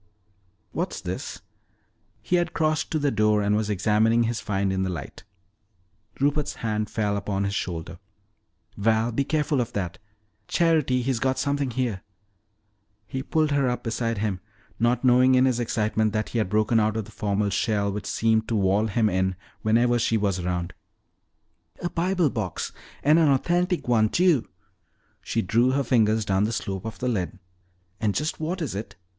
"What's this?" He had crossed to the door and was examining his find in the light. Rupert's hand fell upon his shoulder. "Val, be careful of that. Charity, he's got something here!" He pulled her up beside him, not noting in his excitement that he had broken out of the formal shell which seemed to wall him in whenever she was around. "A Bible box! And an authentic one, too!" She drew her fingers down the slope of the lid. "And just what is it?"